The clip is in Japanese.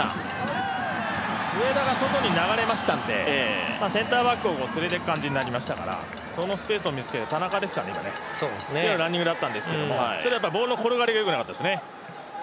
上田が外に流れましたんでセンターバックを連れていく形になりましたから、そのスペースを見つけたのは田中でしたかね、ランニングだったんですけどちょっとボールの転がりがよくなかったですよね。